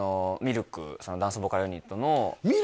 ＬＫダンスボーカルユニットのＭ！